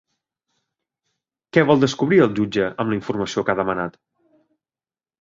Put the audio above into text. Què vol descobrir el jutge amb la informació que ha demanat?